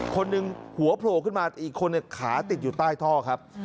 คนหนึ่งหัวโผล่ขึ้นมาอีกคนขาติดอยู่ใต้ท่อครับ